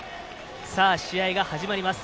試合が始まります。